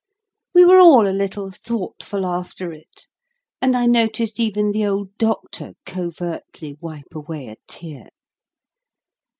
We were all a little thoughtful after it, and I noticed even the old Doctor covertly wipe away a tear.